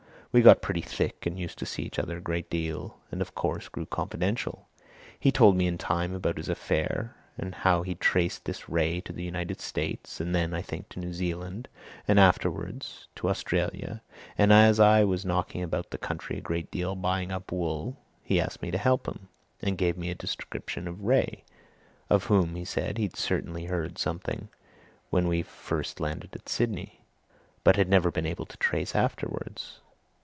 We got pretty thick and used to see each other a great deal, and of course, grew confidential. He told me in time about his affair, and how he'd traced this Wraye to the United States, and then, I think, to New Zealand, and afterwards to Australia, and as I was knocking about the country a great deal buying up wool, he asked me to help him, and gave me a description of Wraye, of whom, he said, he'd certainly heard something when he first landed at Sydney, but had never been able to trace afterwards.